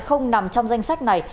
không nằm trong danh sách này